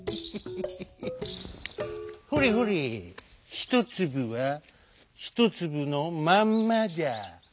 ひとつぶはひとつぶのまんまじゃ」。